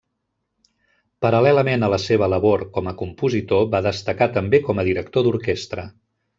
Paral·lelament a la seva labor com a compositor va destacar també com a director d'orquestra.